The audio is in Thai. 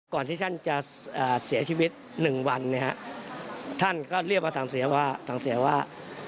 ก่อนที่ฉันจะเสียชีวิตหนึ่งวันท่านก็เรียกมาสั่งเสียว่า